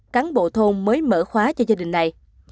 cán bộ thôn mới mở khóa cho gia đình này